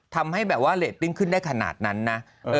ทำให้แบบว่าเรตติ้งขึ้นได้ขนาดนั้นนะ